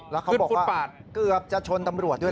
แล้วเขาบอกว่าเกือบจะชนตำรวจด้วย